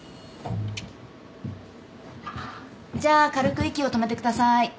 じゃあ軽く息を止めてください。